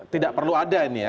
tidak perlu ada ini ya